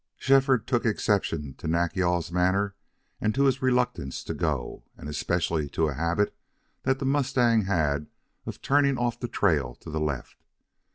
Shefford took exception to Nack yal's manner and to his reluctance to go, and especially to a habit the mustang had of turning off the trail to the left.